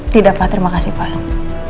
tidak pak terima kasih pak